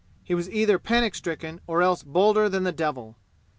He was either panic stricken or else bolder than the devil.